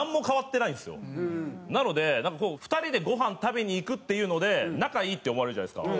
なので２人でごはん食べに行くっていうので仲いいって思われるじゃないですか。